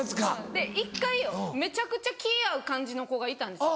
で１回めちゃくちゃ気合う感じの子がいたんですよ。